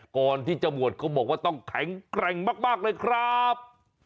ก่อนที่จะบวชเขาบอกว่าต้องแข็งแกร่งมากเลยครับ